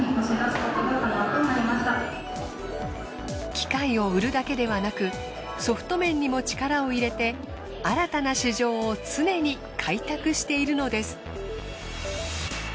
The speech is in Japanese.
機械を売るだけではなくソフト面にも力を入れて新たな市場を常に開拓しているのです。